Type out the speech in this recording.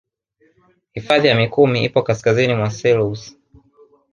Hifadhi ya mikumi ipo kasikazini mwa selous